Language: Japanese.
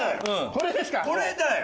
これだよ！